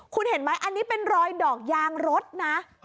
คุณเห็นไหมอันนี้เป็นรอยดอกยางรถนะ